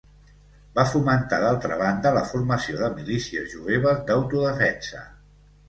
Va fomentar d'altra banda la formació de milícies jueves d'autodefensa.